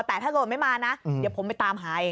แต่ถ้าเกิดไม่มานะเดี๋ยวผมไปตามให้